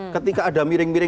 ketika ada miring miring